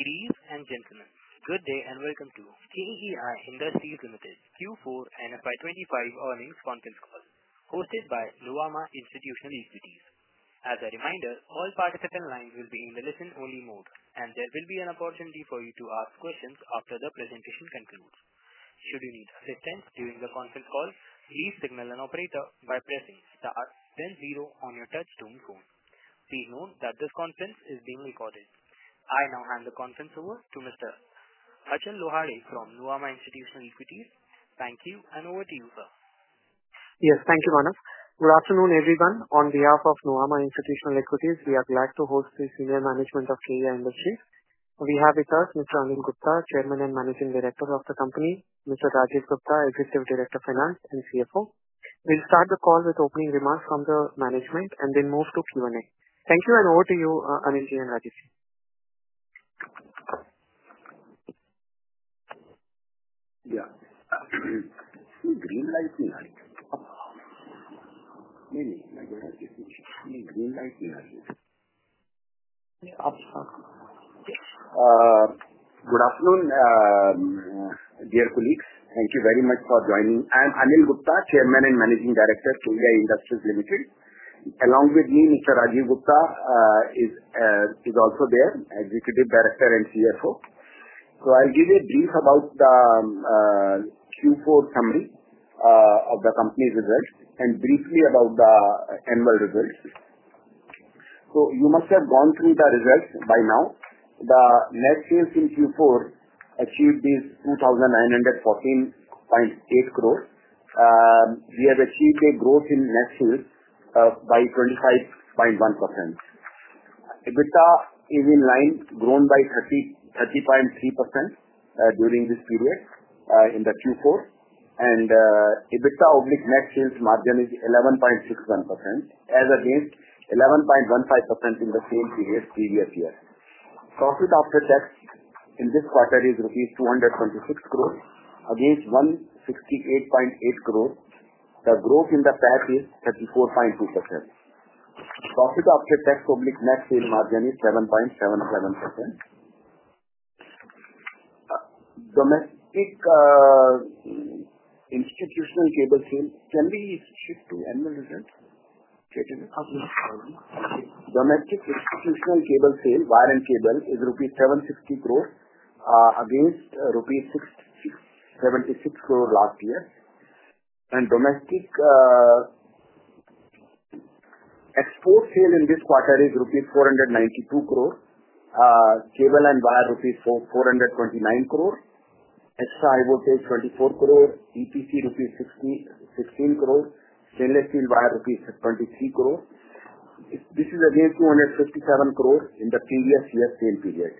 Ladies and gentlemen, good day and welcome to KEI Industries Limited, Q4 and FY2025 earnings conference call, hosted by Nuvama Institutional Equities. As a reminder, all participant lines will be in the listen-only mode, and there will be an opportunity for you to ask questions after the presentation concludes. Should you need assistance during the conference call, please signal an operator by pressing Star, then Zero on your touch-tone phone. Please note that this conference is being recorded. I now hand the conference over to Mr. Achal Lohade from Nuvama Institutional Equities. Thank you, and over to you, sir. Yes, thank you, Manav. Good afternoon, everyone. On behalf of Nuvama Institutional Equities, we are glad to host the senior management of KEI Industries. We have with us Mr. Anil Gupta, Chairman and Managing Director of the company, Mr. Rajeev Gupta, Executive Director of Finance and CFO. We'll start the call with opening remarks from the management and then move to Q&A. Thank you, and over to you, Anil and Rajeev. Yeah. Green light, green light, green light. Good afternoon, dear colleagues. Thank you very much for joining. I'm Anil Gupta, Chairman and Managing Director of KEI Industries. Along with me, Mr. Rajeev Gupta is also there, Executive Director and CFO. I'll give you a brief about the Q4 summary of the company's results and briefly about the annual results. You must have gone through the results by now. The net sales in Q4 achieved is 2,914.8 crore. We have achieved a growth in net sales by 25.1%. EBITDA is in line, grown by 30.3% during this period in the Q4. EBITDA/net sales margin is 11.61%, as against 11.15% in the same period previous year. Profit after tax in this quarter is rupees 226 crore, against 168.8 crore. The growth in the PAT is 34.2%. Profit after tax/net sales margin is 7.77%. Domestic institutional cable sales, can we shift to annual results? Domestic institutional cable sale, wire and cable, is INR 760 crore, against INR 676 crore last year. Domestic export sale in this quarter is 492 crore rupees. Cable and wire, 429 crore rupees. Extra high voltage 24 crore, EPC 16 crore rupees, stainless steel wire 23 crore rupees. This is against 257 crore rupees in the previous year's same period.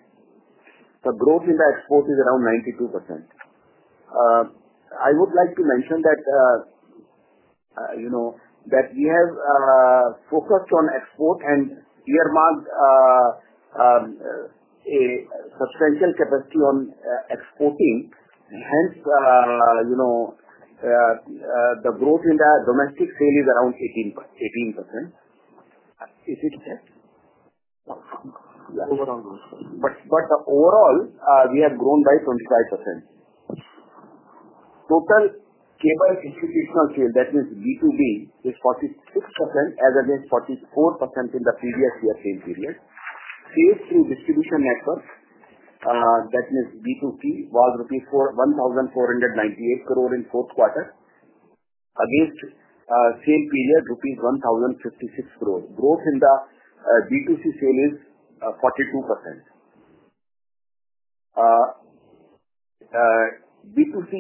The growth in the export is around 92%. I would like to mention that we have focused on export and earmarked a substantial capacity on exporting. Hence, the growth in the domestic sale is around 18%. Is it? Overall. Overall, we have grown by 25%. Total cable institutional sale, that is B2B, is 46%, as against 44% in the previous year's same period. Sales through distribution network, that is B2C, was 1,498 crore rupees in the fourth quarter, against the same period, rupees 1,056 crore. Growth in the B2C sale is 42%. B2C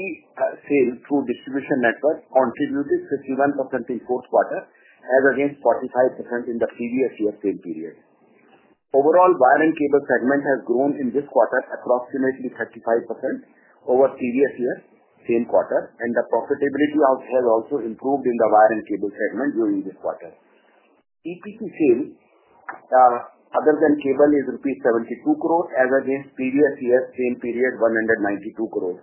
sale through distribution network contributed 51% in the fourth quarter, as against 45% in the previous year's same period. Overall, wire and cable segment has grown in this quarter approximately 35% over the previous year's same quarter, and the profitability has also improved in the wire and cable segment during this quarter. EPC sale, other than cable, is rupees 72 crore, as against the previous year's same period, 192 crore.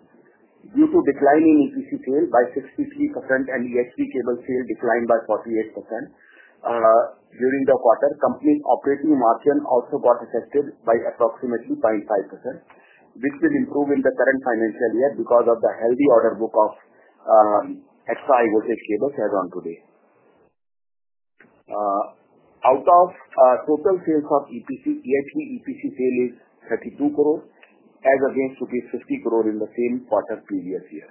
Due to a decline in EPC sale by 63% and EHV cable sale declined by 48% during the quarter, the company's operating margin also got affected by approximately 0.5%, which will improve in the current financial year because of the healthy order book of extra high voltage cables as of today. Out of total sales of EPC, EHV EPC sale is 320 million, as against 500 million in the same quarter previous year.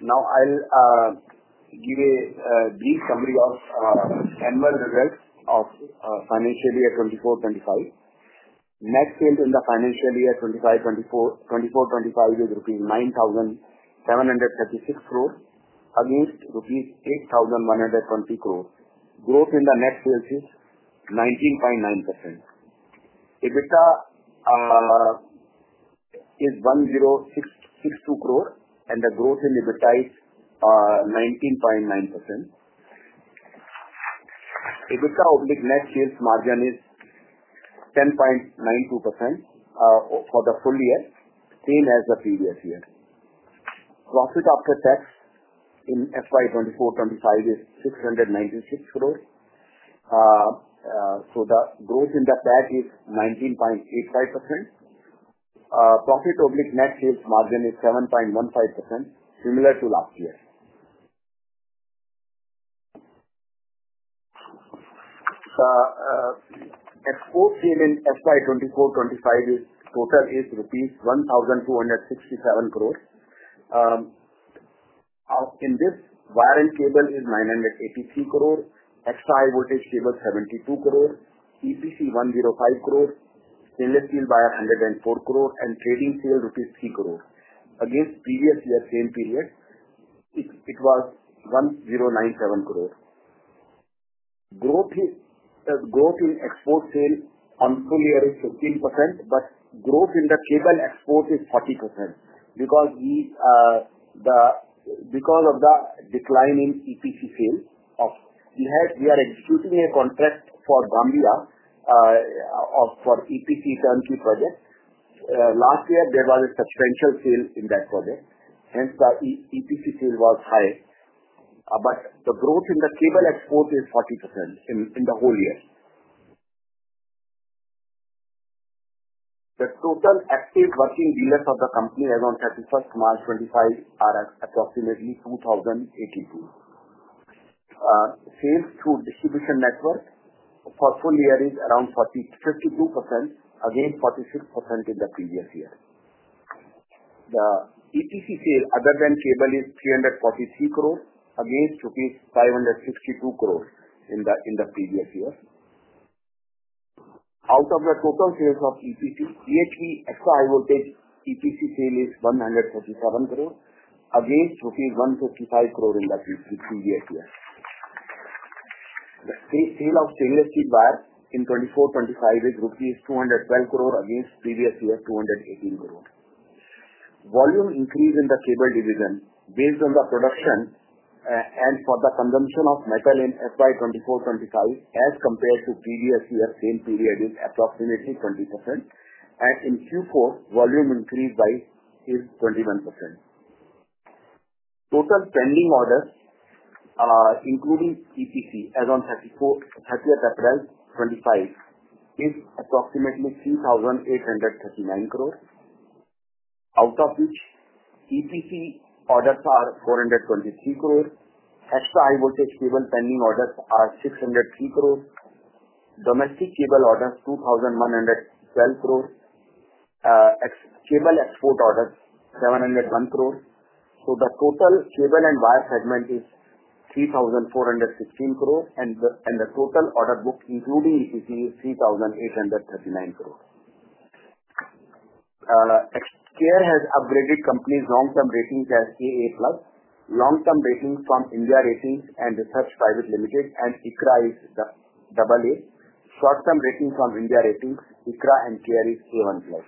Now, I'll give a brief summary of annual results of financial year 2024-2025. Net sales in the financial year 2024-2025 is rupees 9,736 crore, against rupees 8,120 crore. Growth in the net sales is 19.9%. EBITDA is 1,062 crore, and the growth in EBITDA is 19.9%. EBITDA/net sales margin is 10.92% for the full year, same as the previous year. Profit after tax in FY2024-2025 is 696 crore. The growth in the PAT is 19.85%. Profit over net sales margin is 7.15%, similar to last year. The export sale in FY 2024-2025 total is rupees 1,267 crore. In this, wire and cable is 983 crore, extra high voltage cable 72 crore, EPC 105 crore, stainless steel wire 104 crore, and trading sale rupees 3 crore. Against the previous year's same period, it was 1,097 crore. Growth in export sale on full year is 15%, but growth in the cable export is 40% because of the decline in EPC sale. We are executing a contract for Gambia for EPC turnkey project. Last year, there was a substantial sale in that project. Hence, the EPC sale was high. The growth in the cable export is 40% in the whole year. The total active working dealers of the company as of 31st March 2025 are approximately 2,082. Sales through distribution network for full year is around 52%, against 46% in the previous year. The EPC sale, other than cable, is 343 crore rupees, against rupees 562 crore in the previous year. Out of the total sales of EPC, EHV extra high voltage EPC sale is 137 crore, against rupees 155 crore in the previous year. The sale of stainless steel wire in 2024-2025 is rupees 212 crore, against previous year 218 crore. Volume increase in the cable division, based on the production and for the consumption of metal in FY 2024-2025, as compared to previous year's same period, is approximately 20%. In Q4, volume increase is 21%. Total pending orders, including EPC, as of 30th April 2025, is approximately 3,839 crore. Out of which, EPC orders are 423 crore, extra high voltage cable pending orders are 603 crore, domestic cable orders 2,112 crore, cable export orders 701 crore. The total cable and wire segment is 3,416 crore, and the total order book, including EPC, is 3,839 crore. CARE Ratings has upgraded the company's long-term ratings as AA Plus. Long-term ratings from India Ratings and Research Private Limited and ICRA is AA. Short-term ratings from India Ratings, ICRA, and CARE Ratings is A1 Plus.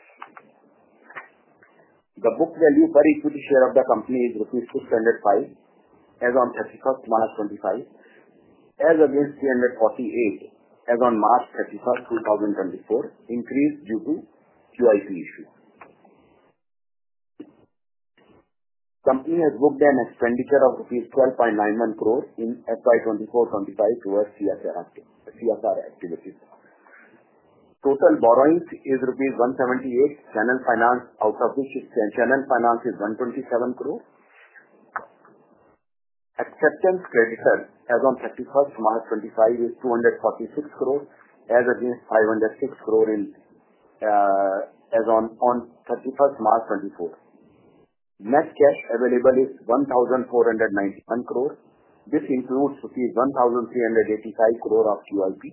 The book value per equity share of the company is rupees 605 as of 31st March 2025, as against 348 as of March 31st, 2024, increased due to QIP issues. The company has booked an expenditure of rupees 12.91 crore in FY 2024-2025 towards CSR activities. Total borrowing is rupees 178 crore, channel finance, out of which channel finance is 127 crore rupees. Acceptance creditor as of 31st March 2025 is 246 crore, as against 506 crore as of 31st March 2024. Net cash available is 1,491 crore. This includes rupees 1,385 crore of QIP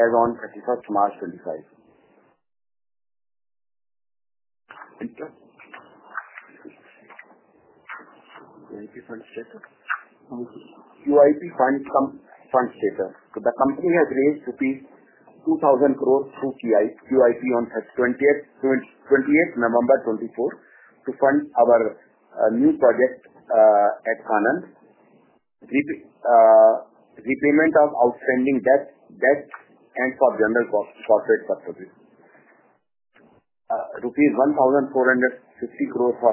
as of 31st March 2025. QIP fund status. The company has raised rupees 2,000 crore through QIP on 28 November 2024 to fund our new project at Conant, repayment of outstanding debt, and for general corporate purposes. INR 1,450 crore for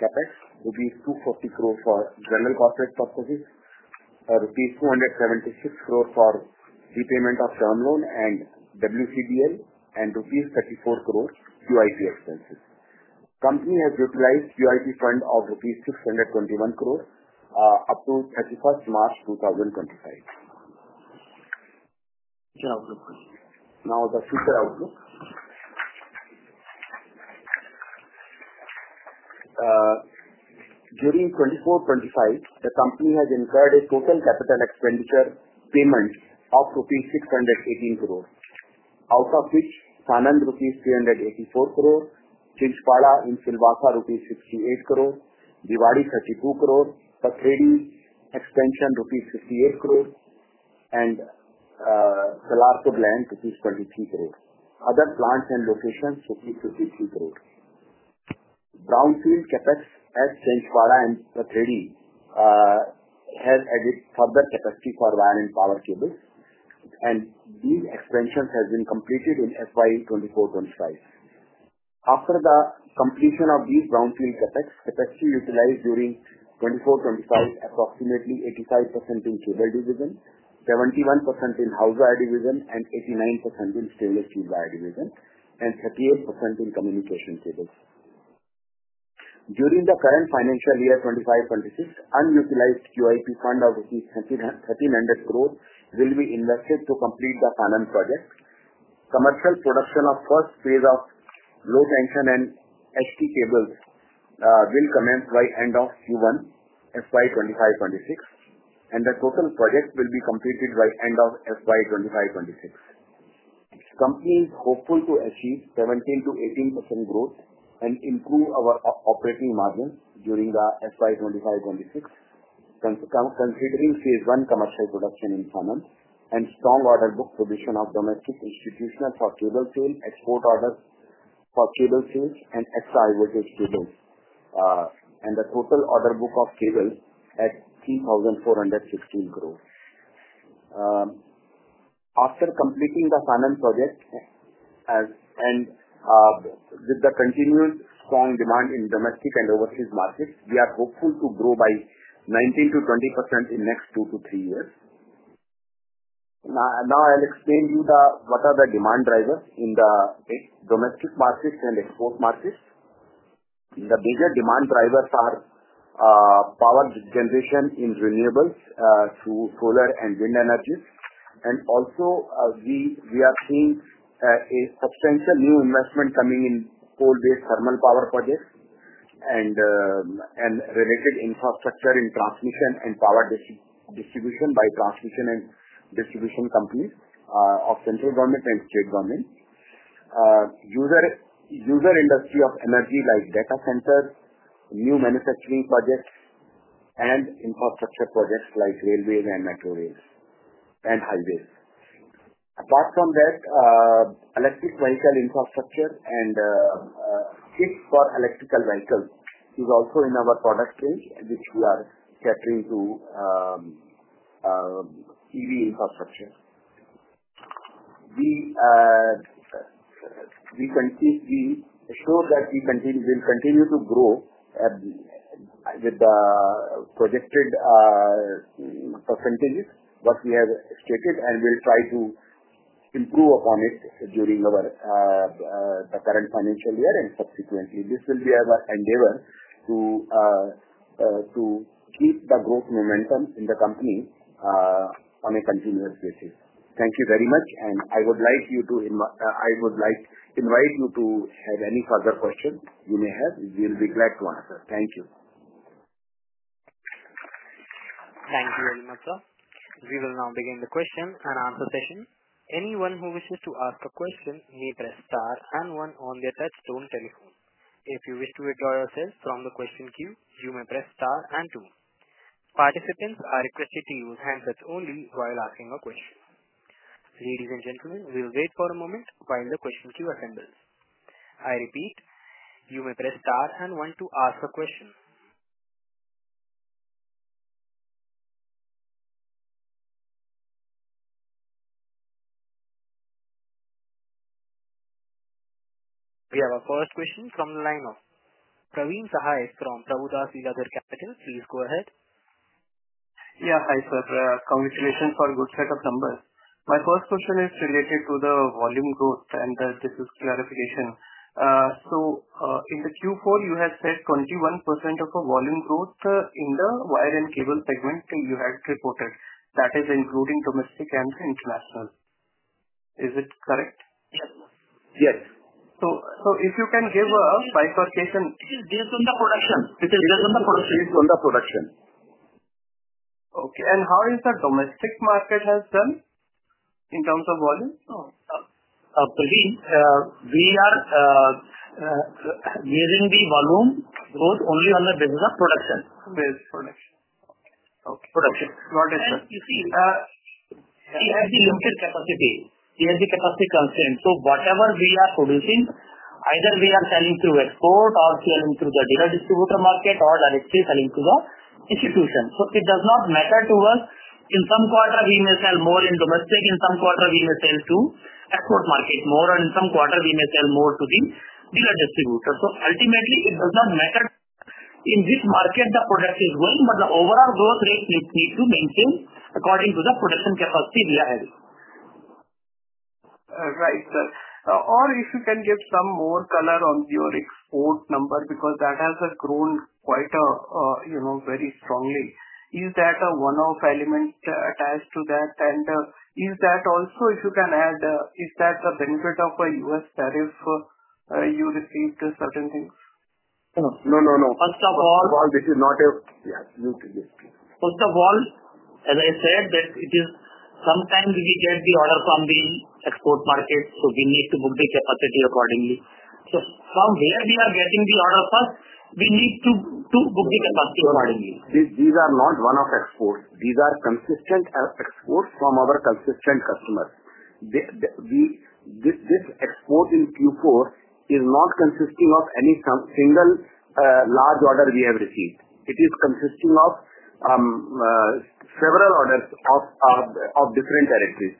CAPEX, INR 240 crore for general corporate purposes, INR 276 crore for repayment of term loan and WCDL, and INR 34 crore QIP expenses. The company has utilized QIP fund of INR 621 crore up to 31st March 2025. Now, the future outlook. During 2024-2025, the company has incurred a total capital expenditure payment of rupees 618 crore, out of which Conant rupees 384 crore, Chinchpada in Silvassa rupees 68 crore, Diwadi 32 crore, Pathredi expansion rupees 58 crore, and Salar to Gland rupees 23 crore. Other plants and locations rupees 53 crore. Brownfield CAPEX at Chinchpada and Pathredi has added further capacity for wire and power cables, and these expansions have been completed in FY 2024-2025. After the completion of these brownfield CAPEX, capacity utilized during 2024-2025 is approximately 85% in cable division, 71% in housewire division, 89% in stainless steel wire division, and 38% in communication cables. During the current financial year 2025-2026, unutilized QIP fund of 1,300 crore will be invested to complete the Conant project. Commercial production of first phase of low tension and HT cables will commence by end of Q1 FY2025-2026, and the total project will be completed by end of FY2025-2026. The company is hopeful to achieve 17%-18% growth and improve our operating margin during FY2025-2026, considering phase one commercial production in Conant and strong order book position of domestic institutional for cable sale, export orders for cable sales, and extra high voltage cables, and the total order book of cables at 3,416 crore. After completing the Conant project and with the continued strong demand in domestic and overseas markets, we are hopeful to grow by 19%-20% in the next two to three years. Now, I'll explain to you what are the demand drivers in the domestic markets and export markets. The major demand drivers are power generation in renewables through solar and wind energy, and also we are seeing a substantial new investment coming in coal-based thermal power projects and related infrastructure in transmission and power distribution by transmission and distribution companies of central government and state government, user industry of energy like data centers, new manufacturing projects, and infrastructure projects like railways and metro rails and highways. Apart from that, electric vehicle infrastructure and kit for electrical vehicles is also in our product range, which we are catering to EV infrastructure. We assure that we will continue to grow with the projected percentages that we have stated, and we'll try to improve upon it during the current financial year and subsequently. This will be our endeavor to keep the growth momentum in the company on a continuous basis. Thank you very much, and I would like to invite you to have any further questions you may have. We'll be glad to answer. Thank you. Thank you very much, sir. We will now begin the question and answer session. Anyone who wishes to ask a question may press star and one on the touchstone telephone. If you wish to withdraw yourself from the question queue, you may press star and two. Participants are requested to use handsets only while asking a question. Ladies and gentlemen, we'll wait for a moment while the question queue assembles. I repeat, you may press star and one to ask a question. We have our first question from the line of Praveen Sahay from Prabhudas Lilladher Capital. Please go ahead. Yeah, hi sir. Congratulations for a good set of numbers. My first question is related to the volume growth, and this is clarification. In the Q4, you had said 21% of the volume growth in the wire and cable segment you had reported. That is including domestic and international. Is it correct? Yes. Yes. If you can give a bifurcation. It is based on the production. It is based on the production. Okay. And how has the domestic market done in terms of volume? Praveen, we are using the volume growth only on the basis of production. Based on production. Okay. Production. You see, we have the limited capacity. We have the capacity constraint. Whatever we are producing, either we are selling through export or selling through the dealer-distributor market or directly selling to the institution. It does not matter to us. In some quarter, we may sell more in domestic. In some quarter, we may sell to export market more. In some quarter, we may sell more to the dealer-distributor. Ultimately, it does not matter in which market the product is going, but the overall growth rate needs to maintain according to the production capacity we are having. Right, sir. If you can give some more color on your export number because that has grown quite very strongly. Is that a one-off element attached to that? Is that also, if you can add, is that the benefit of a US tariff you received certain things? No, no, no. First of all, this is not a—yeah, you please. First of all, as I said, sometimes we get the order from the export market, so we need to book the capacity accordingly. From where we are getting the order first, we need to book the capacity accordingly. These are not one-off exports. These are consistent exports from our consistent customers. This export in Q4 is not consisting of any single large order we have received. It is consisting of several orders of different directories.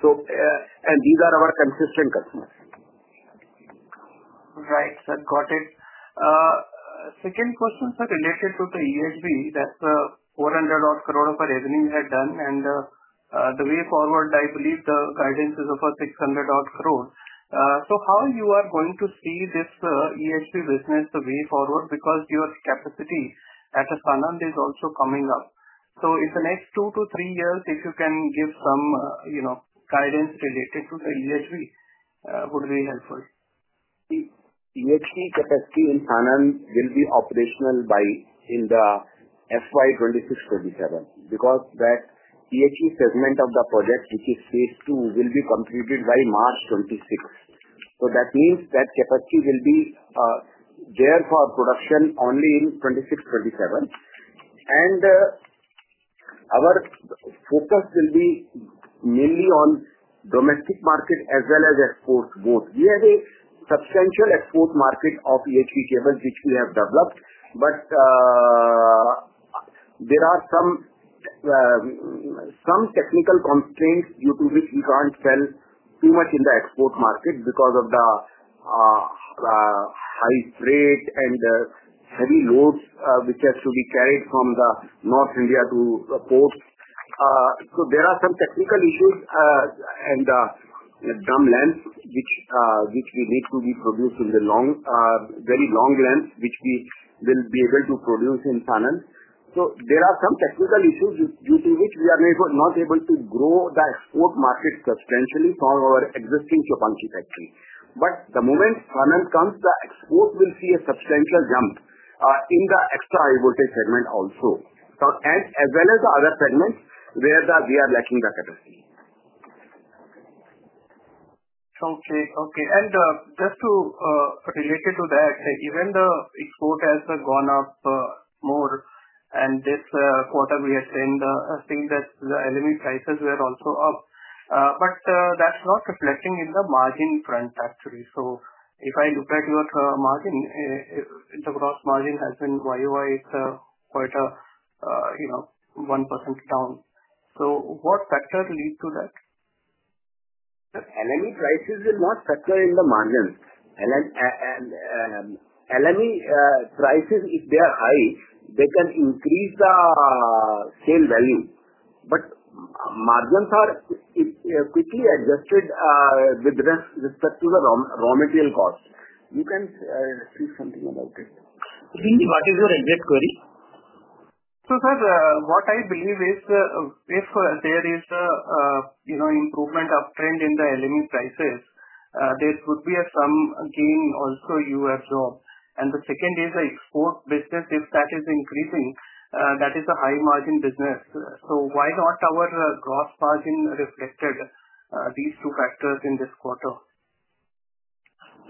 These are our consistent customers. Right, sir. Got it. Second question, sir, related to the EHV, that's the 400-odd crore of revenue you had done, and the way forward, I believe the guidance is of 600-odd crore. How are you going to see this EHV business the way forward? Because your capacity at Conant is also coming up. In the next two to three years, if you can give some guidance related to the EHV, it would be helpful. The EHV capacity in Conant will be operational by FY 2026-2027 because that EHV segment of the project, which is phase two, will be completed by March 2026. That means that capacity will be there for production only in 2026-2027. Our focus will be mainly on domestic market as well as export both. We have a substantial export market of EHV cables, which we have developed, but there are some technical constraints due to which we cannot sell too much in the export market because of the high freight and heavy loads, which have to be carried from North India to the ports. There are some technical issues and some length, which we need to be produced in the very long length, which we will be able to produce in Conant. There are some technical issues due to which we are not able to grow the export market substantially from our existing Chinchpada factory. The moment Conant comes, the export will see a substantial jump in the extra-high voltage segment also, as well as the other segments where we are lacking the capacity. Okay. Okay. Just related to that, even the export has gone up more, and this quarter I have seen that the LME prices were also up, but that's not reflecting in the margin front, actually. If I look at your margin, the gross margin has been YoY is quite a 1% down. What factor leads to that? LME prices will not factor in the margins. LME prices, if they are high, they can increase the sale value, but margins are quickly adjusted with respect to the raw material cost. You can say something about it. Praveen, what is your exact query? Sir, what I believe is if there is an improvement uptrend in the LME prices, there could be some gain also you absorb. The second is the export business, if that is increasing, that is a high-margin business. Why not our gross margin reflected these two factors in this quarter?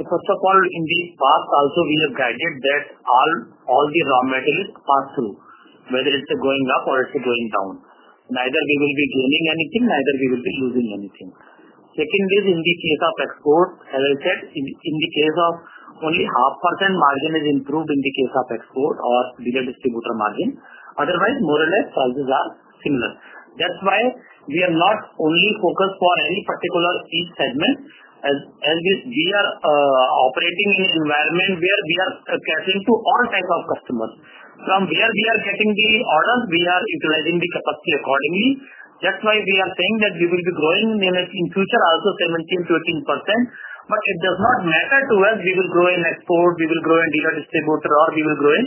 First of all, in the past also, we have guided that all the raw materials pass through, whether it's going up or it's going down. Neither we will be gaining anything, neither we will be losing anything. Second is in the case of export, as I said, in the case of only half % margin is improved in the case of export or dealer-distributor margin. Otherwise, more or less, prices are similar. That is why we are not only focused for any particular each segment, as we are operating in an environment where we are catering to all types of customers. From where we are getting the orders, we are utilizing the capacity accordingly. That is why we are saying that we will be growing in the future also 17%-18%, but it does not matter to us. We will grow in export, we will grow in dealer-distributor, or we will grow in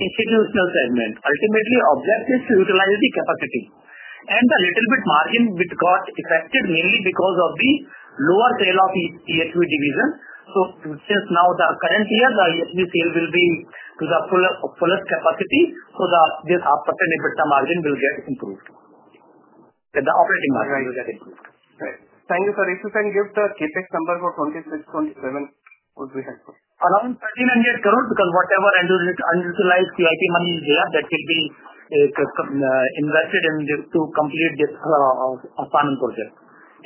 institutional segment. Ultimately, objective is to utilize the capacity. The little bit margin got affected mainly because of the lower sale of EHV division. Since now, the current year, the EHV sale will be to the fullest capacity, so this half % margin will get improved. The operating margin will get improved. Right. Thank you, sir. If you can give the CAPEX number for 2026-2027, it would be helpful. Around 1,300 crore because whatever unutilized QIP money is there, that will be invested to complete this Conant project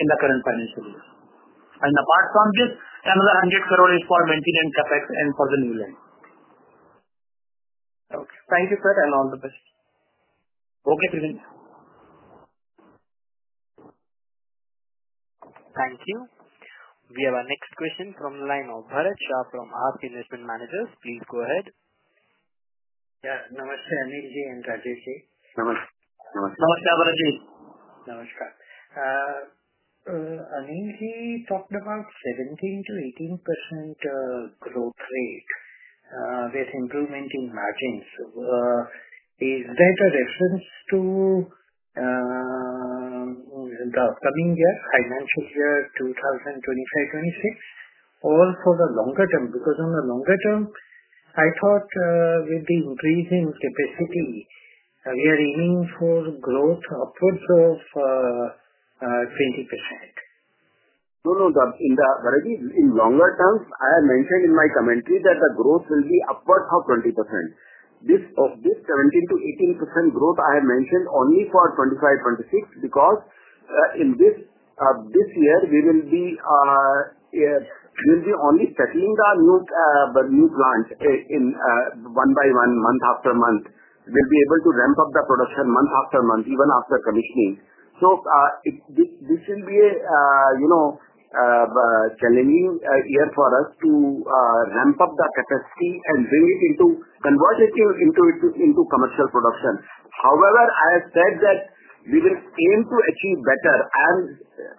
in the current financial year. Apart from this, another 100 crore is for maintenance CAPEX and for the new line. Okay. Thank you, sir, and all the best. Okay, Praveen. Thank you. We have our next question from the line of Varacha from Ask Investment Managers. Please go ahead. Yeah. Namaste, Anil Ji and Rajeev Ji. Namaste. Namaste. Namaste, Varacha. Namaste. Anil Ji talked about 17%-18% growth rate with improvement in margins. Is that a reference to the coming year, financial year 2025-2026, or for the longer term? Because on the longer term, I thought with the increase in capacity, we are aiming for growth upwards of 20%. No, no. Varacha, in longer term, I have mentioned in my commentary that the growth will be upwards of 20%. This 17%-18% growth I have mentioned only for 2025-2026 because in this year, we will be only settling the new plant one by one month after month. We'll be able to ramp up the production month after month, even after commissioning. This will be a challenging year for us to ramp up the capacity and bring it into convert it into commercial production. However, I have said that we will aim to achieve better. I'm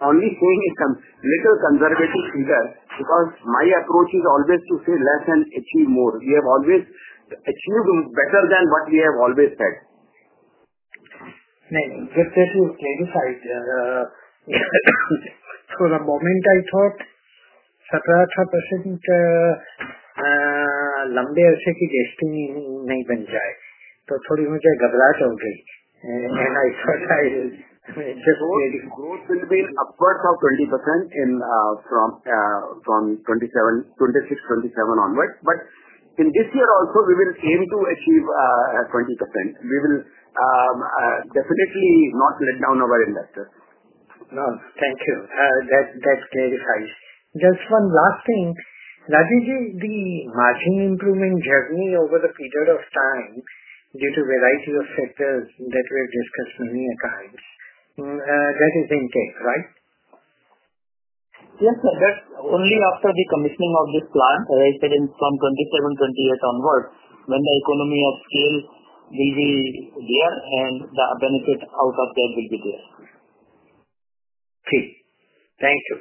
only saying a little conservative figure because my approach is always to say less and achieve more. We have always achieved better than what we have always said. Just to clarify, for the moment, I thought 17%, lambe has a key destiny नहीं बन जाए. तो थोड़ी मुझे घबराहट हो गई. I thought I just. Growth will be upwards of 20% from 2026-2027 onwards. In this year also, we will aim to achieve 20%. We will definitely not let down our investors. Thank you. That clarifies. Just one last thing. Rajeev Ji, the margin improvement journey over the period of time due to a variety of factors that we have discussed many times, that is intake, right? Yes, sir. That's only after the commissioning of this plan, as I said, from 2027-2028 onwards, when the economy of scale will be there and the benefit out of that will be there. Okay. Thank you.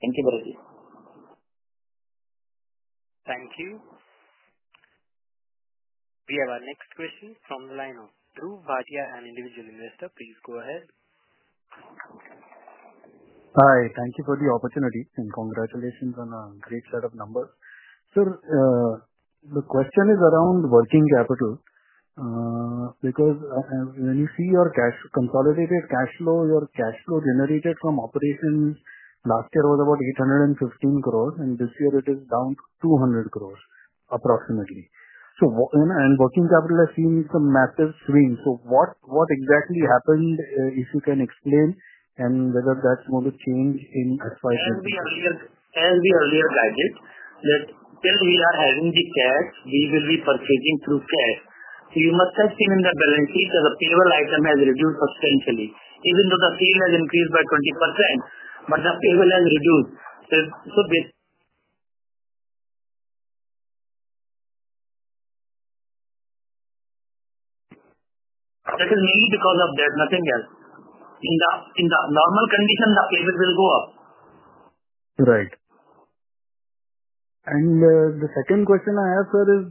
Thank you, Varacha. Thank you. We have our next question from the line of Dhruv Bhatia, an individual investor. Please go ahead. Hi. Thank you for the opportunity and congratulations on a great set of numbers. Sir, the question is around working capital because when you see your consolidated cash flow, your cash flow generated from operations last year was about 815 crore, and this year it is down to 200 crore approximately. And working capital has seen some massive swing. So what exactly happened, if you can explain, and whether that's going to change in. That will be earlier guidance that till we are having the cash, we will be purchasing through cash. You must have seen in the balance sheet that the payable item has reduced substantially, even though the sale has increased by 20%, but the payable has reduced. That is mainly because of that, nothing else. In the normal condition, the payable will go up. Right. The second question I have, sir, is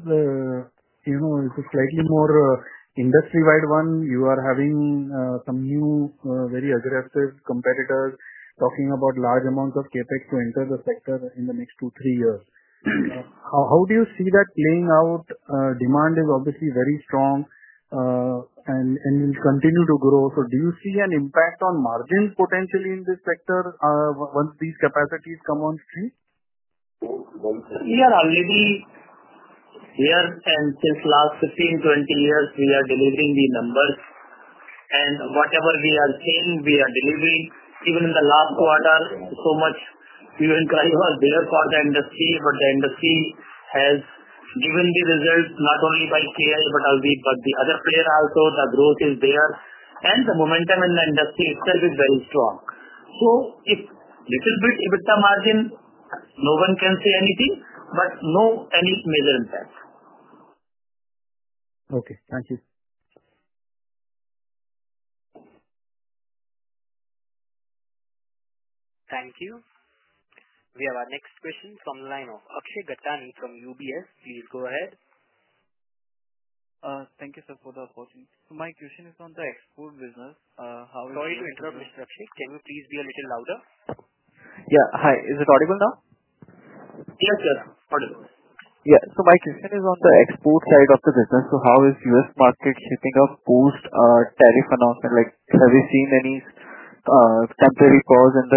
it's a slightly more industry-wide one. You are having some new very aggressive competitors talking about large amounts of CAPEX to enter the sector in the next two, three years. How do you see that playing out? Demand is obviously very strong and will continue to grow. Do you see an impact on margins potentially in this sector once these capacities come on stream? We are already here since the last 15-20 years. We are delivering the numbers. And whatever we are saying, we are delivering. Even in the last quarter, so much human drive was there for the industry, but the industry has given the results not only by KEI but by the other players also. The growth is there. The momentum in the industry itself is very strong. If little bit EBITDA margin, no one can say anything, but no any major impact. Okay. Thank you. Thank you. We have our next question from the line of Akshay Gattani from UBS. Please go ahead. Thank you, sir, for the opportunity. My question is on the export business. Sorry to interrupt, Mr. Akshay. Can you please be a little louder? Yeah. Hi. Is it audible now? Yes, sir. Audible. My question is on the export side of the business. How is US market shaping up post-tariff announcement? Have you seen any temporary pause in the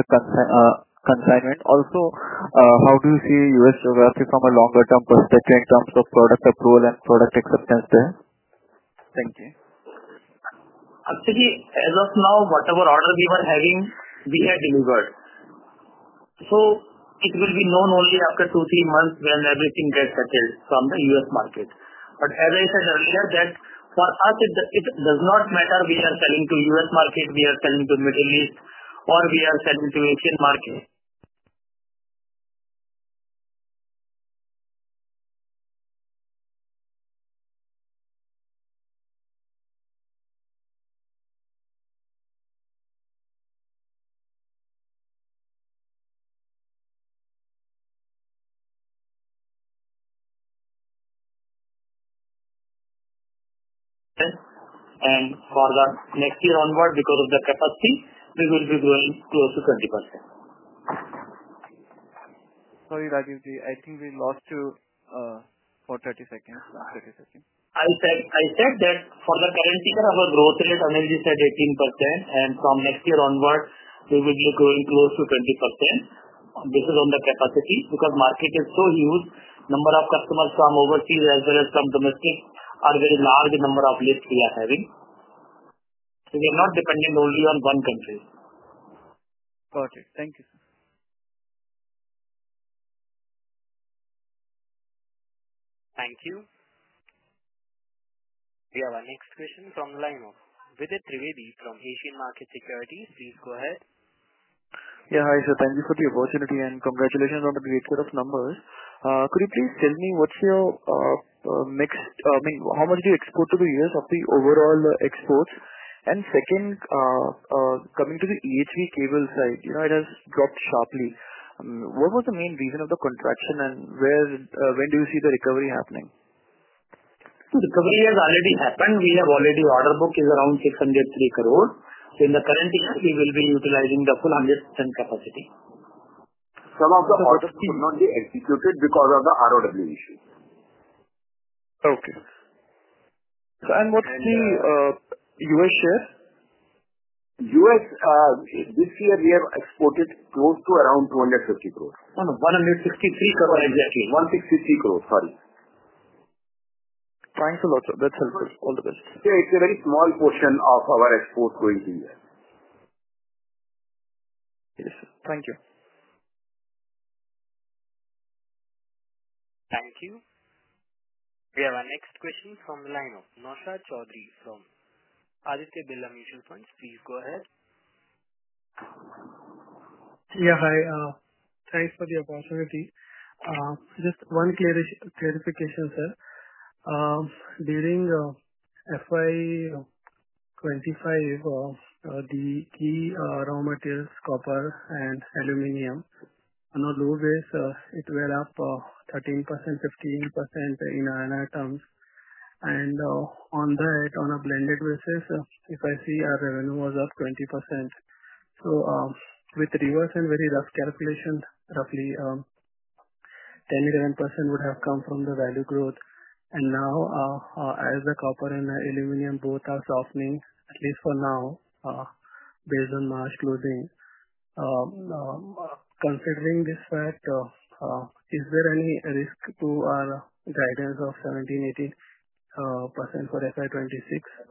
consignment? Also, how do you see U.S. geography from a longer-term perspective in terms of product approval and product acceptance there? Thank you. Actually, as of now, whatever order we were having, we had delivered. It will be known only after two, three months when everything gets settled from the US market. As I said earlier, for us, it does not matter we are selling to US market, we are selling to Middle East, or we are selling to Asian market. For the next year onward, because of the capacity, we will be growing close to 20%. Sorry, Rajeev Ji. I think we lost you for 30 seconds. Last 30 seconds. I said that for the current year, our growth rate, Anil Ji said, 18%, and from next year onward, we will be growing close to 20%. This is on the capacity because the market is so huge. The number of customers from overseas as well as from domestic are a very large number of lists we are having. So we are not depending only on one country. Got it. Thank you, sir. Thank you. We have our next question from the line of Vidit Trivedi from Asian Market Securities. Please go ahead. Yeah. Hi, sir. Thank you for the opportunity and congratulations on the great set of numbers. Could you please tell me what's your mix, I mean, how much do you export to the U.S. of the overall exports? And second, coming to the EHV cable side, it has dropped sharply. What was the main reason of the contraction, and when do you see the recovery happening? The recovery has already happened. We have already order book is around 603 crore. In the current year, we will be utilizing the full 100% capacity. Some of the orders could not be executed because of the ROW issue. Okay. What's the U.S. share? U.S., this year, we have exported close to around 250 crore. 163 crore exactly. 163 crore. Sorry. Thanks a lot, sir. That's helpful. All the best. It's a very small portion of our export going to U.S. Yes, sir. Thank you. Thank you. We have our next question from the line of Naushad Chaudhary from Aditya Birla Mutual Funds. Please go ahead. Yeah. Hi. Thanks for the opportunity. Just one clarification, sir. During FY 2025, the key raw materials, copper and aluminum, on a low base, it went up 13%, 15% in INR terms. And on that, on a blended basis, if I see our revenue was up 20%. With reverse and very rough calculation, roughly 10%-11% would have come from the value growth. Now, as the copper and aluminum both are softening, at least for now, based on March closing, considering this fact, is there any risk to our guidance of 17%-18% for FY 2026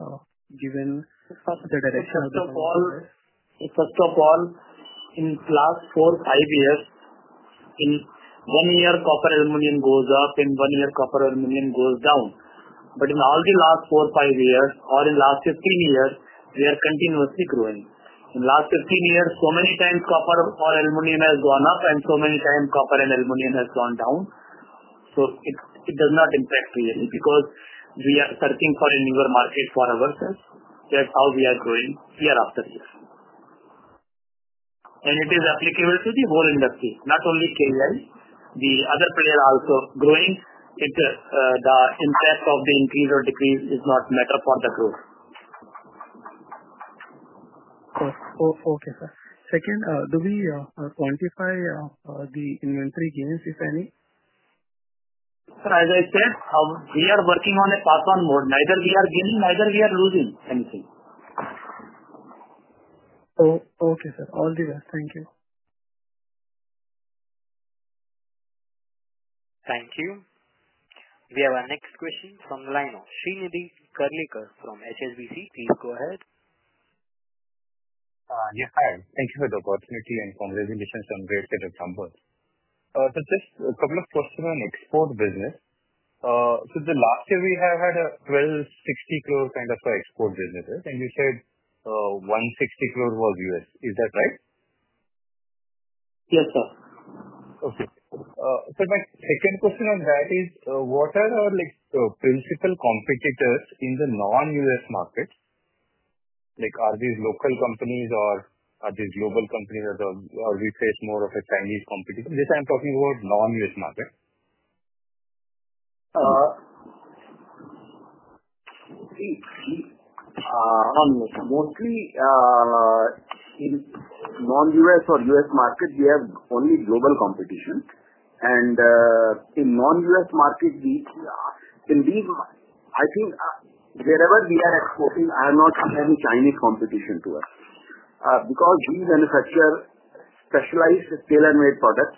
given the direction of the market? First of all, in the last four-five years, in one year, copper and aluminum goes up, in one year, copper and aluminum goes down. In all the last four-five years, or in the last 15 years, we are continuously growing. In the last 15 years, so many times copper or aluminum has gone up, and so many times copper and aluminum has gone down. It does not impact really because we are searching for a newer market for ourselves. That's how we are growing year after year. It is applicable to the whole industry, not only KEI. The other players are also growing. The impact of the increase or decrease does not matter for the growth. Okay. Okay, sir. Second, do we quantify the inventory gains, if any? As I said, we are working on a pass-on mode. Neither we are gaining, neither we are losing anything. Okay, sir. All the best. Thank you. Thank you. We have our next question from the line of Shrinidhi Karleker from HSBC. Please go ahead. Yes. Hi. Thank you for the opportunity and congratulations on great set of numbers. Just a couple of questions on export business. The last year we have had a 1,260 crore kind of export business, and you said 160 crore was US. Is that right? Yes, sir. Okay. My second question on that is, what are our principal competitors in the non-US market? Are these local companies, or are these global companies, or do we face more of a Chinese competitor? This, I'm talking about non-US market. Mostly in non-US or US market, we have only global competition. In non-US market, indeed, I think wherever we are exporting, I have not seen any Chinese competition to us because we manufacture specialized tailor-made products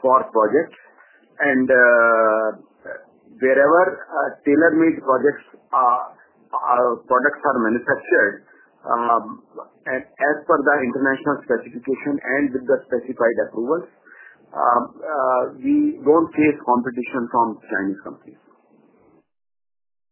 for projects. Wherever tailor-made products are manufactured, as per the international specification and with the specified approvals, we do not face competition from Chinese companies.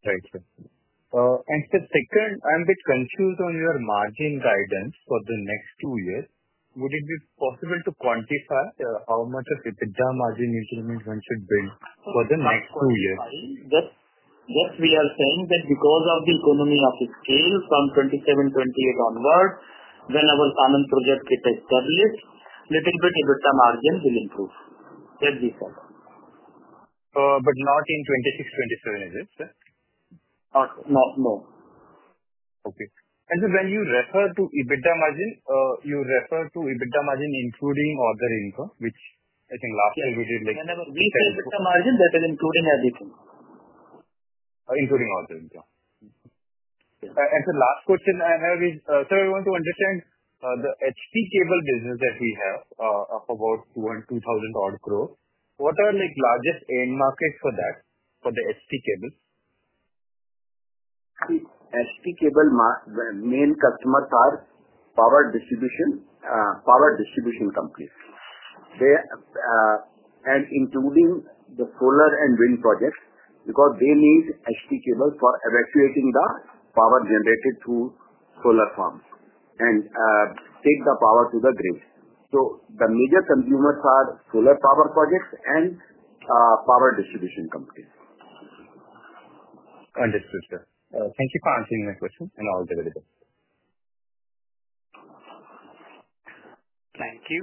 Thank you. The second, I'm a bit confused on your margin guidance for the next two years. Would it be possible to quantify how much of EBITDA margin increment one should build for the next two years? Yes. We are saying that because of the economy of scale from 2027-2028 onwards, when our Conant project is established, little bit EBITDA margin will improve. That's what we said. Not in 2026-2027, is it? No. No. Okay. When you refer to EBITDA margin, you refer to EBITDA margin including other income, which I think last year we did. Whenever we say EBITDA margin, that is including everything. Including other income. The last question I have is, I want to understand the HT cable business that we have of about 2,000 crore. What are the largest end markets for that, for the HT cable? HT cable main customers are power distribution companies. Including the solar and wind projects because they need HT cable for evacuating the power generated through solar farms and take the power to the grid. So the major consumers are solar power projects and power distribution companies. Understood, sir. Thank you for answering my question and all the very best. Thank you.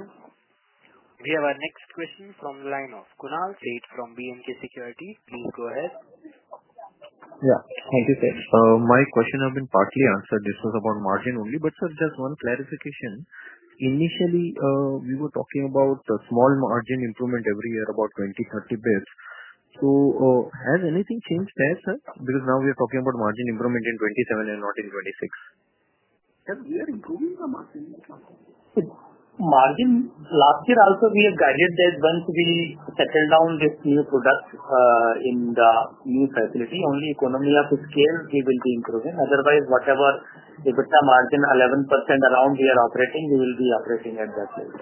We have our next question from the line of Kunal Sheth from BNK Security. Please go ahead. Yeah. Thank you, sir. My question has been partly answered. This was about margin only. But sir, just one clarification. Initially, we were talking about small margin improvement every year about 20-30 basis points. So has anything changed there, sir? Because now we are talking about margin improvement in 2027 and not in 2026. We are improving the margin. Last year also, we have guided that once we settle down this new product in the new facility, only economy of scale we will be improving. Otherwise, whatever EBITDA margin 11% around we are operating, we will be operating at that level.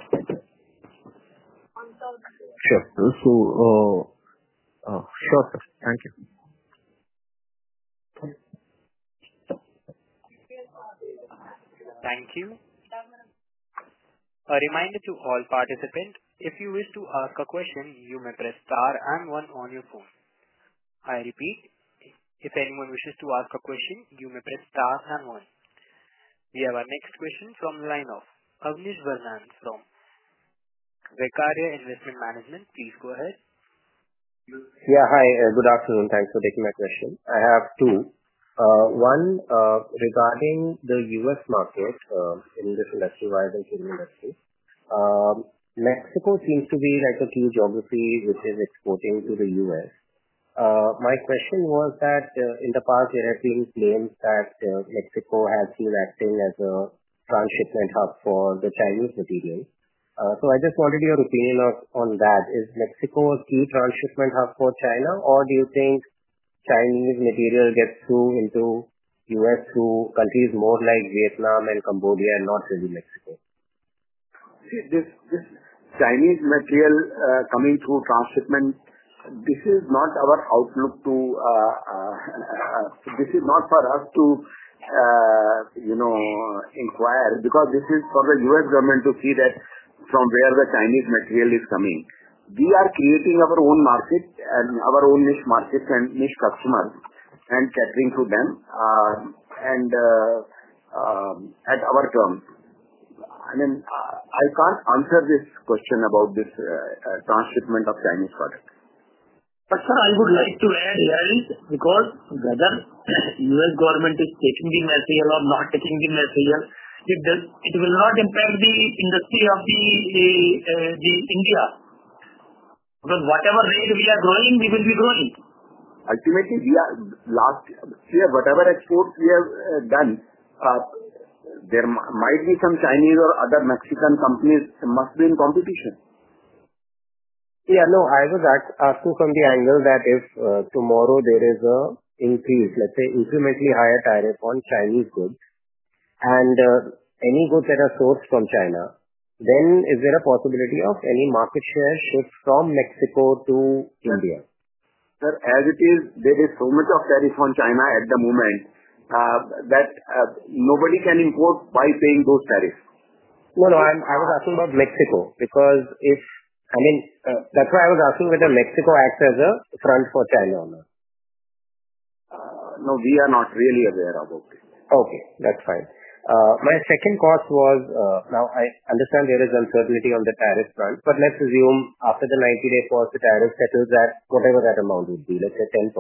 Sure. So sure. Thank you. Thank you. A reminder to all participants, if you wish to ask a question, you may press star and one on your phone. I repeat, if anyone wishes to ask a question, you may press star and one. We have our next question from the line of Avneesh Vernand from Vekarya Investment Management. Please go ahead. Yeah. Hi. Good afternoon. Thanks for taking my question. I have two. One, regarding the US market in this industry, wiring cable industry, Mexico seems to be a key geography which is exporting to the U.S. My question was that in the past, there have been claims that Mexico has been acting as a transshipment hub for the Chinese materials. So I just wanted your opinion on that. Is Mexico a key transshipment hub for China, or do you think Chinese material gets through into U.S. through countries more like Vietnam and Cambodia, not really Mexico? Chinese material coming through transshipment, this is not our outlook, this is not for us to inquire because this is for the U.S. government to see that from where the Chinese material is coming. We are creating our own market and our own niche markets and niche customers and catering to them and at our terms. I mean, I can't answer this question about this transshipment of Chinese products. Sir, I would like to add here because whether U.S. government is taking the material or not taking the material, it will not impact the industry of India because whatever rate we are growing, we will be growing. Ultimately, last year, whatever exports we have done, there might be some Chinese or other Mexican companies must be in competition. Yeah. No, I was asking from the angle that if tomorrow there is an increase, let's say incrementally higher tariff on Chinese goods and any goods that are sourced from China, then is there a possibility of any market share shift from Mexico to India? Sir, as it is, there is so much of tariff on China at the moment that nobody can import by paying those tariffs. No, no. I was asking about Mexico because if I mean, that's why I was asking whether Mexico acts as a front for China or not. No, we are not really aware about it. Okay. That's fine. My second thought was, now I understand there is uncertainty on the tariff front, but let's assume after the 90-day pause, the tariff settles at whatever that amount would be, let's say 10%.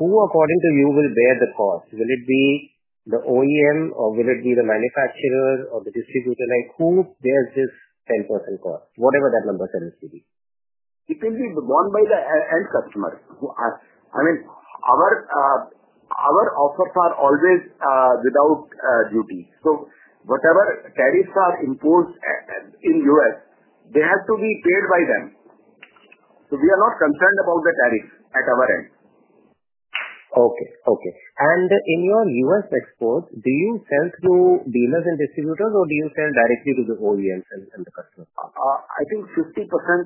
Who, according to you, will bear the cost? Will it be the OEM, or will it be the manufacturer, or the distributor? Who bears this 10% cost? Whatever that number says to be. It will be borne by the end customer. I mean, our offers are always without duty. So whatever tariffs are imposed in the U.S., they have to be paid by them. So we are not concerned about the tariff at our end. Okay. Okay. And in your U.S. exports, do you sell through dealers and distributors, or do you sell directly to the OEMs and the customers? I think 50%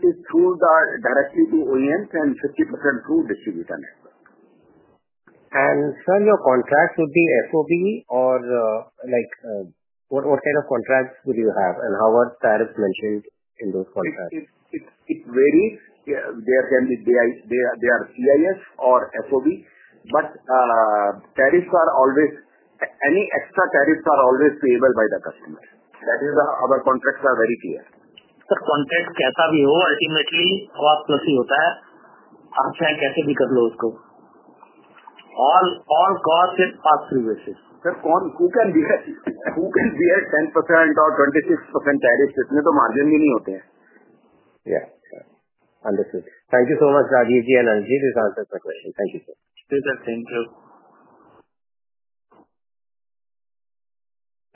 is through directly to OEMs and 50% through distributor network. Sir, your contracts would be FOB, or what kind of contracts would you have, and how are tariffs mentioned in those contracts? It varies. There are CIF or FOB, but tariffs are always, any extra tariffs are always payable by the customer. That is why our contracts are very clear. Sir, contract कैसा भी हो, ultimately cost plus ही होता है। आप चाहे कैसे भी कर लो उसको । All cost is pass-through basis. Sir, who can bear 10% or 26% tariffs? इतने तो margin भी नहीं होते हैं।. Yeah. Understood. Thank you so much, Rajeev and Anil. This answers my question. Thank you so much. Thank you.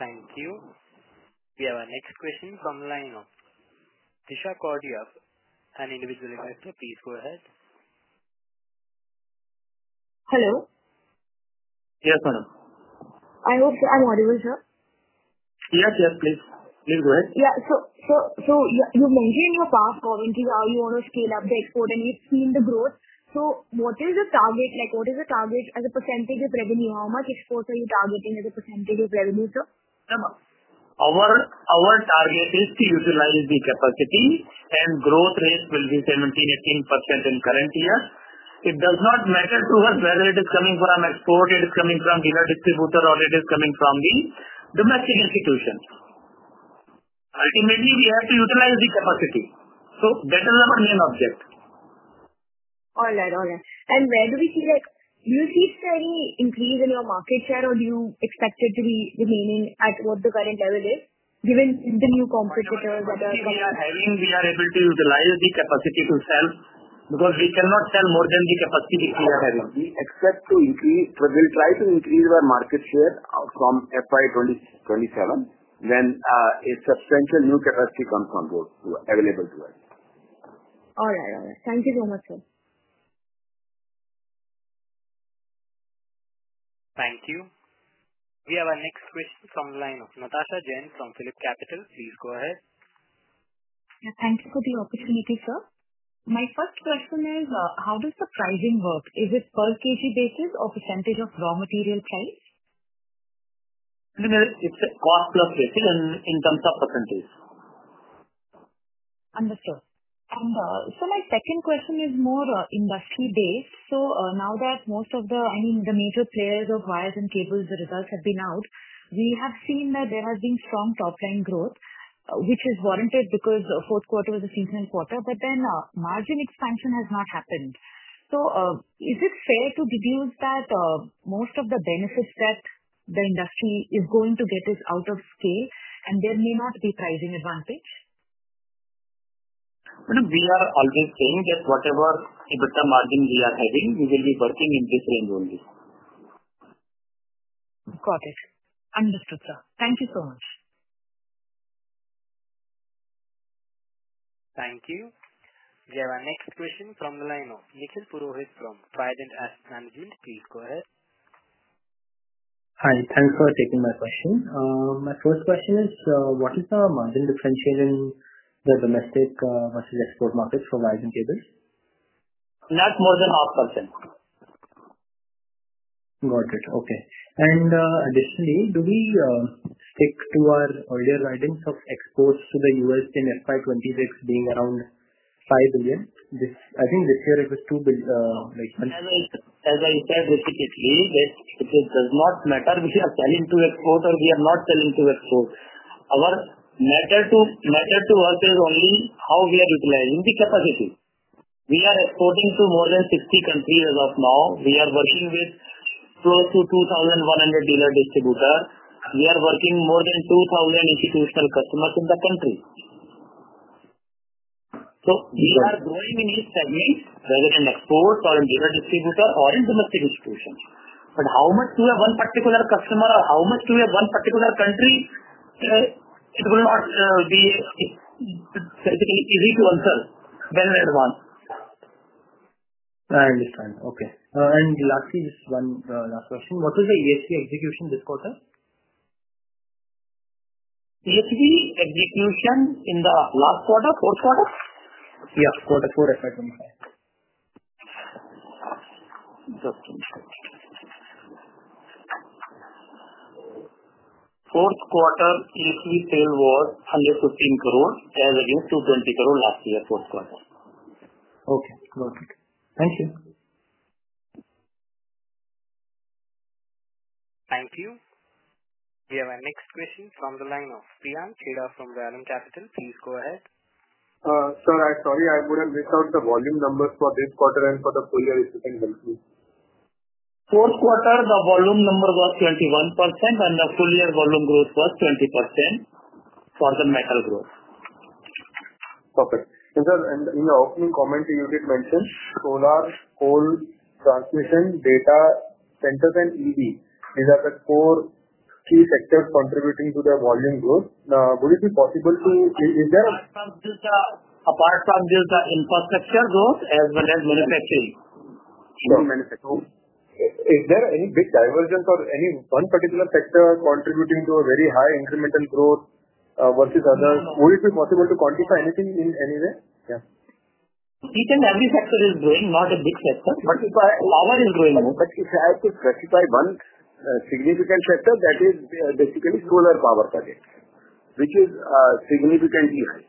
Thank you. We have our next question from the line of Tisha Katudiya, an individual investor. Please go ahead. Hello. Yes, madam. I hope I'm audible, sir? Yes, yes. Please. Please go ahead. Yeah. You have mentioned in your past commentary how you want to scale up the export, and we have seen the growth. What is the target? What is the target as a percentage of revenue? How much exports are you targeting as a percentage of revenue, sir? Our target is to utilize the capacity, and growth rate will be 17%-18% in current year. It does not matter to us whether it is coming from export, it is coming from dealer distributor, or it is coming from the domestic institution. Ultimately, we have to utilize the capacity. That is our main objective. All right. All right. Where do we see that? Do you see any increase in your market share, or do you expect it to be remaining at what the current level is, given the new competitors that are coming? We are able to utilize the capacity to sell because we cannot sell more than the capacity we are having. We expect to increase. We will try to increase our market share from FY 2027 when a substantial new capacity comes on board available to us. All right. All right. Thank you so much, sir. Thank you. We have our next question from the line of Natasha Jain from Phillip Capital. Please go ahead. Thank you for the opportunity, sir. My first question is, how does the pricing work? Is it per kg basis or percentage of raw material price? It's cost plus rating in terms of percentage. Understood. My second question is more industry-based. Now that most of the, I mean, the major players of wires and cables, the results have been out, we have seen that there has been strong top-line growth, which is warranted because fourth quarter was a seasonal quarter, but then margin expansion has not happened. Is it fair to deduce that most of the benefits that the industry is going to get is out of scale, and there may not be pricing advantage? We are always saying that whatever EBITDA margin we are having, we will be working in this range only. Got it. Understood, sir. Thank you so much. Thank you. We have our next question from the line of Nikhil Purohit from Fident Asset Management. Please go ahead. Hi. Thanks for taking my question. My first question is, what is the margin differentiator in the domestic versus export markets for wires and cables? Not more than half percent. Got it. Okay. Additionally, do we stick to our earlier guidance of exports to the U.S. in FY 2026 being around $5 billion? I think this year it was $2 billion. As I said repeatedly, it does not matter if we are selling to export or we are not selling to export. What matters to us is only how we are utilizing the capacity. We are exporting to more than 60 countries as of now. We are working with close to 2,100 dealer distributors. We are working with more than 2,000 institutional customers in the country. We are growing in each segment, whether in exports or in dealer distributor or in domestic institutions. How much to have one particular customer or how much to have one particular country, it will not be physically easy to answer well in advance. I understand. Okay. Lastly, just one last question. What was the EPC execution this quarter? EPC execution in the last quarter, fourth quarter? Yeah. Quarter four, if I remember. Just one second. Fourth quarter EPC sale was INR 1,150,000,000, as against INR 2,200,000,000 last year, fourth quarter. Okay. Got it. Thank you. Thank you. We have our next question from the line of Priyank Chheda from Vallum Capital. Please go ahead. Sir, I'm sorry. I would not want to miss out the volume numbers for this quarter and for the full year. If you can help me. Fourth quarter, the volume number was 21%, and the full year volume growth was 20% for the metal growth. Perfect. Sir, in your opening comment, you did mention solar, coal, transmission, data centers, and EV. These are the four key sectors contributing to the volume growth. Would it be possible to— apart from this, the infrastructure growth as well as manufacturing, is there any big divergence or any one particular sector contributing to a very high incremental growth versus others? Would it be possible to quantify anything in any way? Yeah. We think every sector is growing, not a big sector. If I—power is growing. If I have to specify one significant sector, that is basically solar power projects, which is significantly high.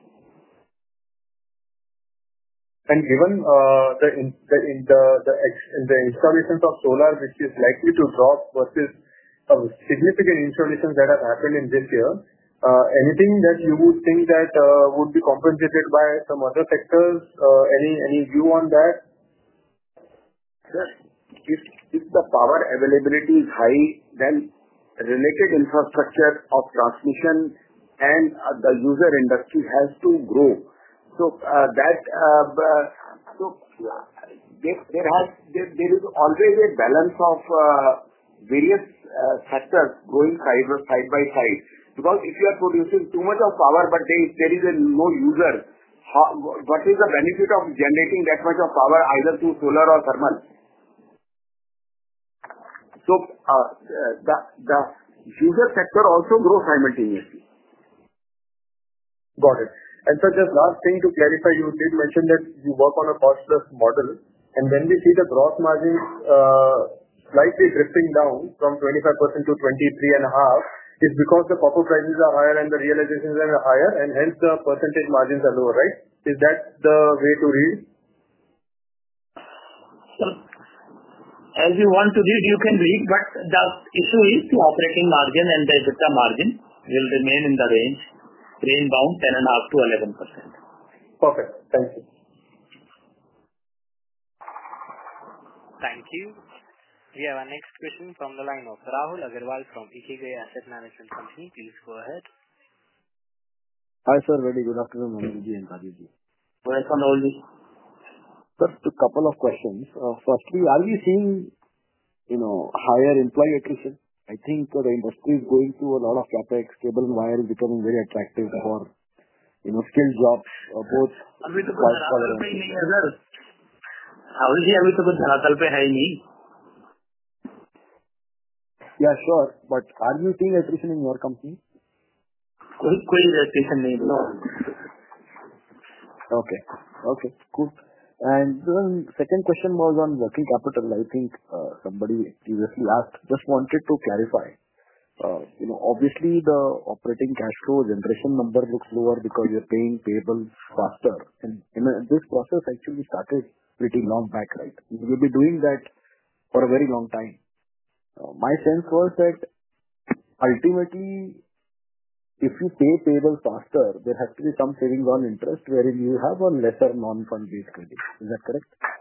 Given the installations of solar, which is likely to drop versus significant installations that have happened in this year, anything that you would think that would be compensated by some other sectors? Any view on that? Sir, if the power availability is high, then related infrastructure of transmission and the user industry has to grow. There is always a balance of various factors going side by side because if you are producing too much of power, but there is no user, what is the benefit of generating that much of power either through solar or thermal? The user sector also grows simultaneously. Got it. Sir, just last thing to clarify, you did mention that you work on a cost-plus model, and when we see the gross margins slightly drifting down from 25% to 23.5%, it is because the copper prices are higher and the realizations are higher, and hence the percentage margins are lower, right? Is that the way to read? As you want to read, you can read, but the issue is the operating margin and the EBITDA margin will remain in the range, rangebound 10.5%-11%. Perfect. Thank you. Thank you. We have our next question from the line of Rahul Agarwal from Ikigai Asset Management Company. Please go ahead. Hi sir, very good afternoon. Anil and Rajeev. Welcome, Rahul. Sir, just a couple of questions. Firstly, are we seeing higher employee attrition? I think the industry is going through a lot of CAPEX. Cable and wire is becoming very attractive for skilled jobs, both. Anil: Yeah, sure. But are you seeing attrition in your company? [कोई attrition नहीं है।] {Foreign Language] No. Okay. Okay. Good. The second question was on working capital. I think somebody previously asked. Just wanted to clarify. Obviously, the operating cash flow generation number looks lower because you're paying payables faster. This process actually started pretty long back, right? You've been doing that for a very long time. My sense was that ultimately, if you pay payables faster, there has to be some savings on interest, wherein you have a lesser non-fund-based credit. Is that correct? Right.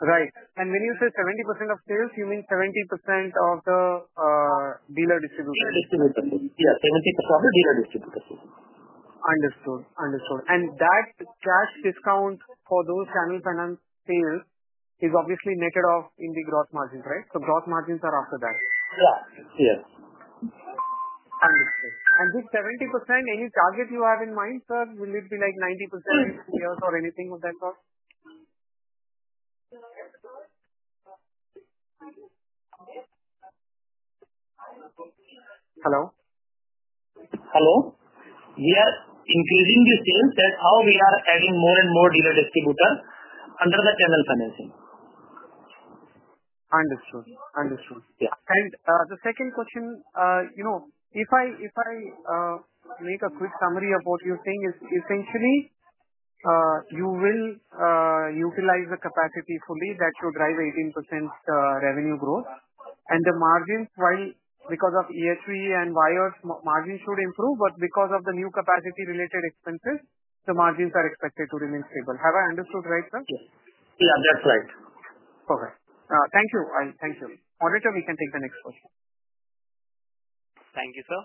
When you say 70% of sales, you mean 70% of the dealer distribution? Yeah, 70% of the dealer distribution. Understood. Understood. That cash discount for those channel finance sales is obviously netted off in the gross margins, right? So gross margins are after that. Yeah. Yes. Understood. This 70%, any target you have in mind, sir? Will it be like 90% or anything of that sort? Hello? Hello. We are increasing the sales, that's how we are adding more and more dealer distributors under the channel financing. Understood. Understood. Yeah. The second question, you know, if I make a quick summary of what you're saying, is essentially, you will utilize the capacity fully, that should drive 18% revenue growth. And the margins while because of ESG and wires, margins should improve, but because of the new capacity-related expenses, the margins are expected to remain stable. Have I understood right, sir? Yeah. Yeah. That's right. Okay. Thank you. I thank you. Operator, we can take the next question. Thank you, sir.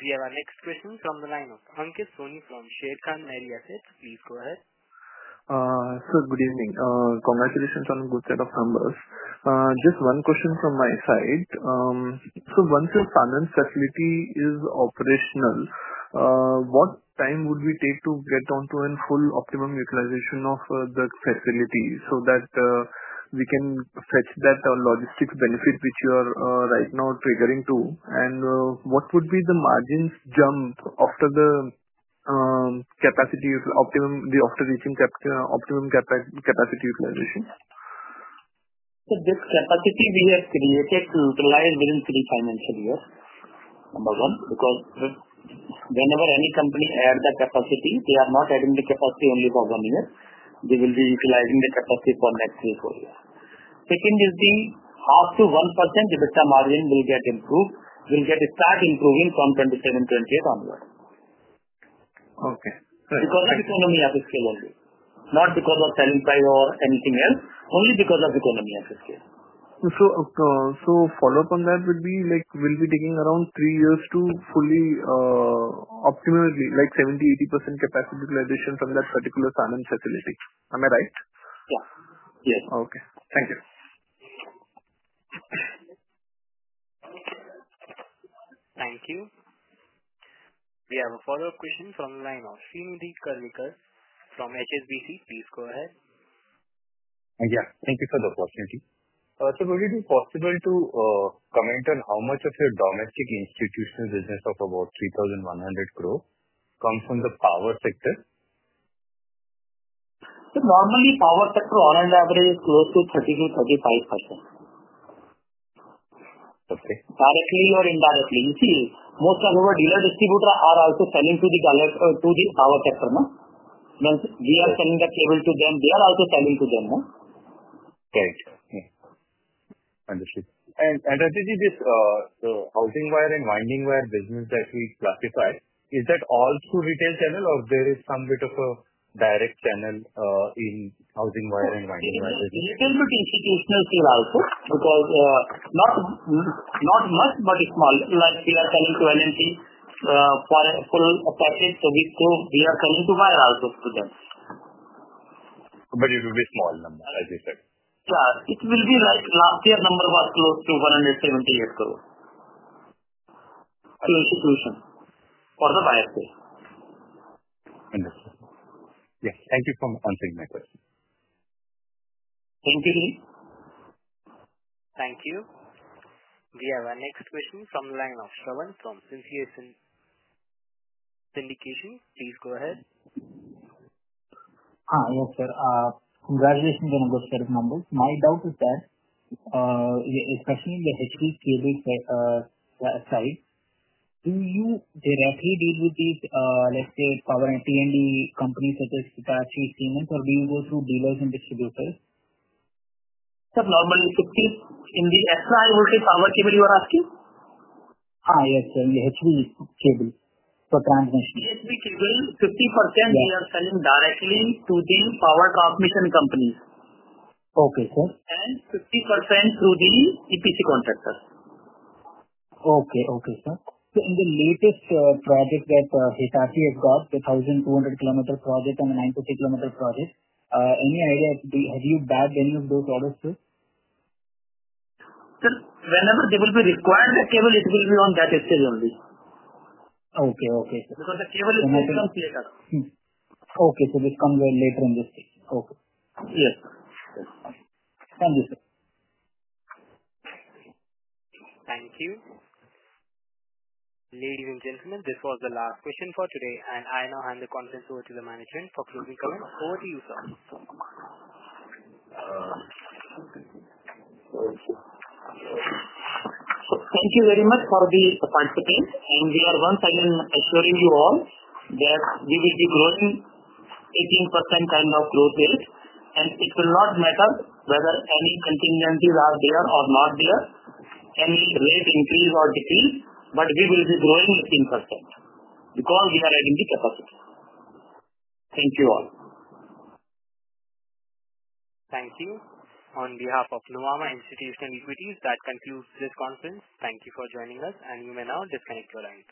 We have our next question from the line of Ankit Soni from Sharekhan Merry Assets. Please go ahead. Sir, good evening. Congratulations on a good set of numbers. Just one question from my side. Once your finance facility is operational, what time would we take to get onto a full optimum utilization of the facility so that we can fetch that logistics benefit which you are right now triggering to? And what would be the margins jump after reaching optimum capacity utilization? This capacity we have created to utilize within three financial years. Number one, because whenever any company adds the capacity, they are not adding the capacity only for one year. They will be utilizing the capacity for the next three, four years. Second is the half to 1% with the margin will get improved, will get start improving from 2027-2028 onward. Okay. Right. Because of economy of scale only. Not because of selling price or anything else. Only because of economy of scale. So, follow-up on that would be like will be taking around three years to fully, optimally like 70-80% capacity utilization from that particular finance facility. Am I right? Yeah. Yes. Okay. Thank you. Thank you. We have a follow-up question from the line of Shrinidhi Karlekar from HSBC. Please go ahead. Yeah. Thank you for the opportunity. Sir, would it be possible to comment on how much of your domestic institutional business of about 3,100 crore comes from the power sector? Normally, power sector on an average is close to 30%-35%. Okay. Directly or indirectly. You see, most of our dealer distributors are also selling to the power sector, no? Means we are selling the cable to them. They are also selling to them, no? Right. Yeah. Understood. Anjiti, this, the housing wire and winding wire business that we classify, is that all through retail channel or there is some bit of a direct channel in housing wire and winding wire business? It will be to institutional sale also because, not much but it is small. Like we are selling to L&T for a full package. We are selling wire also to them, but it will be a small number, as you said. Yeah. It will be like last year number was close to INR 178 crore. Okay. Institution for the wire sale. Understood. Yeah. Thank you for answering my question. Thank you, sir. Thank you. We have our next question from the line of Sravan Vijayaraghavan from Sincere Syndication. Please go ahead. Yes, sir. Congratulations on a good set of numbers. My doubt is that, especially in the HV cable side, do you directly deal with these, let's say, power and T&D companies such as Hitachi, Siemens, or do you go through dealers and distributors? Sir, normally 50 in the SI, okay, power cable you are asking? Yes, sir. In the HV cable for transmission. EHV cable, 50% we are selling directly to the power transmission company. Okay, sir. Fifty percent through the EPC contractor. Okay. Okay, sir. In the latest project that Hitachi has got, the 1,200 kilometer project and the 92 kilometer project, any idea if you have bagged any of those orders too? Sir, whenever they will be required, the cable, it will be on that stage only. Okay. Okay, sir. Because the cable comes later. Okay. This comes later in this stage. Okay. Yes. Thank you, sir. Thank you. Ladies and gentlemen, this was the last question for today. I now hand the conference over to the management for closing comments. Over to you, sir. Thank you very much for the participation. We are once again assuring you all that we will be growing 18% kind of growth rate. It will not matter whether any contingencies are there or not there, any rate increase or decrease, but we will be growing 18% because we are adding the capacity. Thank you all. Thank you. On behalf of Nuvama Institutional Equities, that concludes this conference. Thank you for joining us. You may now disconnect your line.